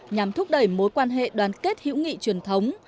nhằm thúc đẩy mối quan hệ đoàn kết hữu nghị truyền thống